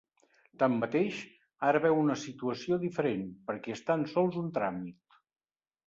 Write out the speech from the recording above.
Tanmateix, ara veu una situació diferent, perquè és tan sols un tràmit.